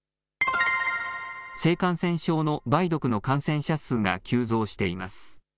性感染症の梅毒の感染者数が急増しています。